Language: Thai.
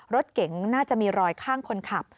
รถเก๋งน่าจะมีรอยข้างคนขับ